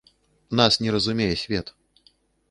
Нас не разумее свет.